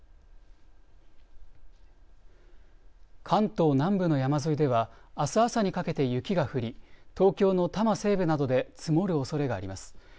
関東南部の山沿いではあす朝にかけて雪が降り東京の多摩西部などで積もるおそれがあります。